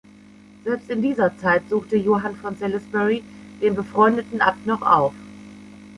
Selbst in dieser Zeit suchte Johann von Salisbury den befreundeten Abt noch auf.